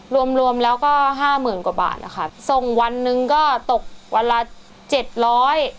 รวมรวมแล้วก็ห้าหมื่นกว่าบาทนะคะส่งวันหนึ่งก็ตกวันละเจ็ดร้อย